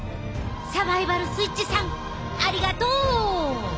サバイバル・スイッチさんありがとう！